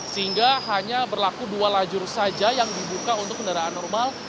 sehingga hanya berlaku dua lajur saja yang dibuka untuk kendaraan normal